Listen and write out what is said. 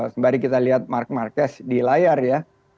sembari kita lihat mark marquez di layar ya